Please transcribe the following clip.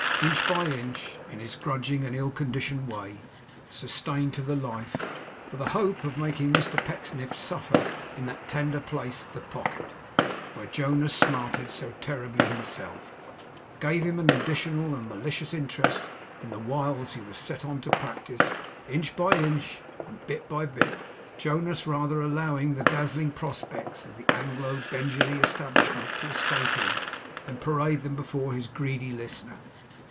Inch by inch, in his grudging and ill conditioned way; sustained to the life, for the hope of making Mr Pecksniff suffer in that tender place, the pocket, where Jonas smarted so terribly himself, gave him an additional and malicious interest in the wiles he was set on to practise; inch by inch, and bit by bit, Jonas rather allowed the dazzling prospects of the Anglo Bengalee establishment to escape him, than paraded them before his greedy listener.